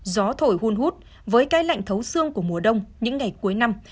gió thổi hôn hút với cái lạnh thấu sương của mùa đông những ngày cuối năm